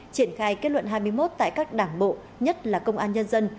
triển khai kết luận hai mươi một tại các đảng bộ nhất là công an nhân dân